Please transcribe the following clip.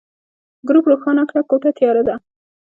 ګروپ روښانه کړه، کوټه تياره ده.